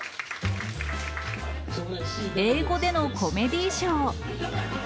英語でのコメディーショー。